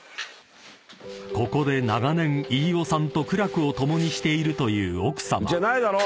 ［ここで長年飯尾さんと苦楽を共にしているという奥さま］じゃないだろ！